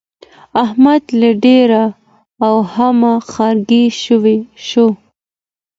احمد له ډېره وهمه ښارګی شو.